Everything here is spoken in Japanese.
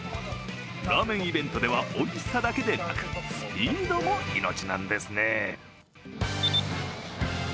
ラーメンイベントでは、おいしさだけでなくスピードも命なんですね。